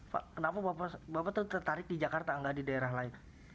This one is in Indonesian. pak kenapa bapak tertarik di jakarta nggak di daerah lain